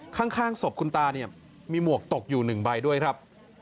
ข้างศพคุณตาเนี่ยมีหมวกตกอยู่๑ใบด้วยครับ